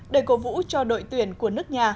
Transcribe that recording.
để cố vũ cho đội tuyển của nước nhà